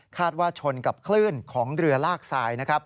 คาดว่าชนกับคลื่นของเรือลากทราย